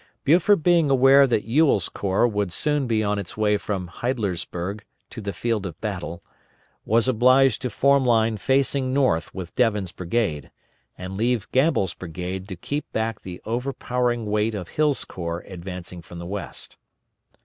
Buford being aware that Ewell's corps would soon be on its way from Heidlersburg to the field of battle, was obliged to form line facing north with Devin's brigade, and leave Gamble's brigade to keep back the overpowering weight of Hill's corps advancing from the west.